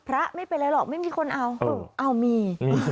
พระไม่เป็นไรหรอกไม่มีคนเอาเอามี